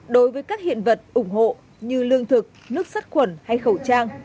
đối với các hiện vật ủng hộ như lương thực nước sắt khuẩn hay khẩu trang